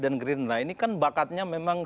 dan gerindra ini kan bakatnya memang